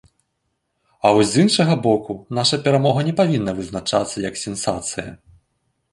А вось з іншага боку, наша перамога не павінна вызначацца як сенсацыя.